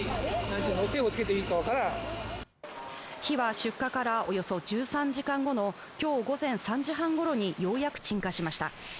火は出火からおよそ１３時間後の今日午前３時半ごろにようやく鎮火しました。